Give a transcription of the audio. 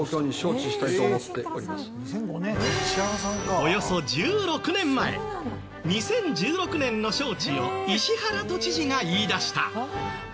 およそ１６年前２０１６年の招致を石原都知事が言い出した。